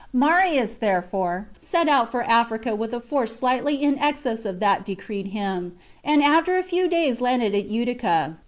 Marius, therefore, set out for Africa with a force slightly in excess of that decreed him, and after a few days landed at Utica.